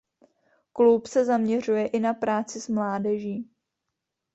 Klub se zaměřuje i na práci s mládeží.